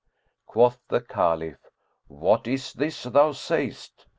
Quoth the Caliph "What is this thou sayest?"